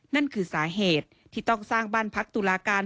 นั่นคือสาเหตุที่ต้องสร้างบ้านพักตุลาการ